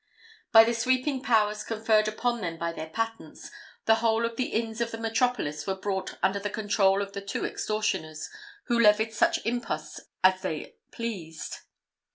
By the sweeping powers conferred upon them by their patents, the whole of the inns of the metropolis were brought under the control of the two extortioners, who levied such imposts as they pleased.